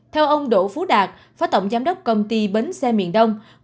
theo ông đỗ phú đạt phó tổng giám đốc công ty bến xe miền đông